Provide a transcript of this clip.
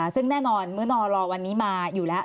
ซึ่งแน่นอนเมื่อนอรอวันนี้มาอยู่แล้ว